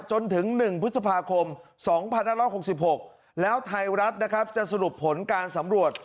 จนถึง๑พฤษภาคม๒๕๖๖แล้วไทยรัฐนะครับจะสรุปผลการสำรวจ